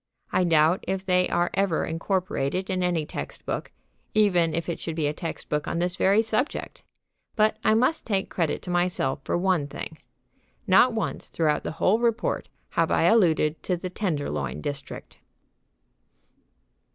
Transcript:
I doubt if they are ever incorporated in any textbook, even if it should be a textbook on this very subject. But I must take credit to myself for one thing: Not once throughout the whole report have I alluded to the Tenderloin District.